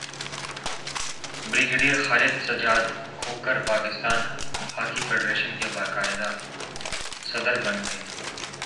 brigadier Khalid Sajjad Khokhar Pakistan hockey federation کے باقاعدہ صدر بن گئے